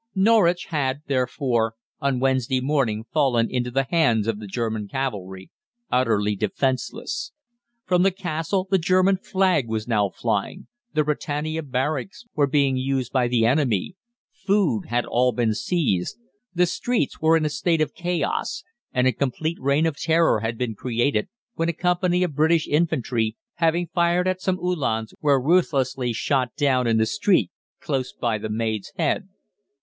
Norwich had, therefore, on Wednesday morning fallen into the hands of the German cavalry, utterly defenceless. From the Castle the German flag was now flying, the Britannia Barracks were being used by the enemy, food had all been seized, the streets were in a state of chaos, and a complete reign of terror had been created when a company of British Infantry, having fired at some Uhlans, were ruthlessly shot down in the street close by the Maid's Head.